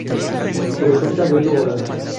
Presenta velo oral.